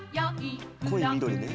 濃い緑ね。